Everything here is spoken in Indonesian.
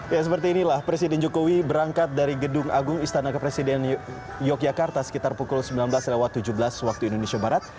ya seperti inilah presiden jokowi berangkat dari gedung agung istana kepresiden yogyakarta sekitar pukul sembilan belas tujuh belas waktu indonesia barat